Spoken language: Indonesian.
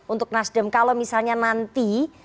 untuk nasdem kalau misalnya nanti